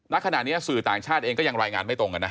ณขณะนี้สื่อต่างชาติเองก็ยังรายงานไม่ตรงกันนะ